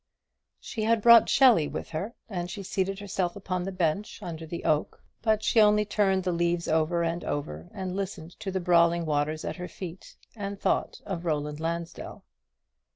She had brought Shelley with her, and she seated herself upon the bench under the oak; but she only turned the leaves over and over, and listened to the brawling waters at her feet, and thought of Roland Lansdell.